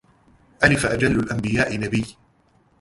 ألف أجل الأنبياء نبي